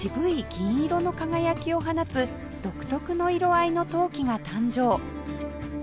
銀色の輝きを放つ独特の色合いの陶器が誕生